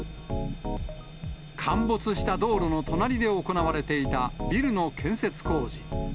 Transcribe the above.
陥没した道路の隣で行われていたビルの建設工事。